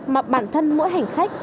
mà bản thân mỗi hành khách cần tự do